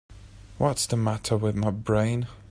What's the matter with my brain?